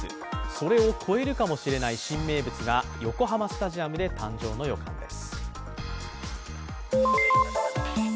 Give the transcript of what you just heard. それを超えるかもしれない新名物が横浜スタジアムで誕生の予感です。